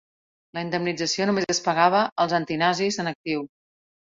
La indemnització només es pagava als antinazis en actiu.